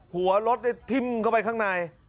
หัวรถได้ทิ้มเข้าไปข้างใน